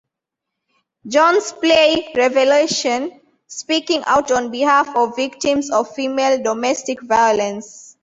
Jones' play, "Revelation", speaking out on behalf of victims of female domestic violence.